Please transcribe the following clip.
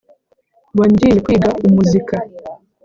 wa ngiye kwiga umuzika